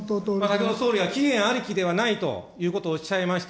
先ほど総理は期限ありきではないということをおっしゃいました。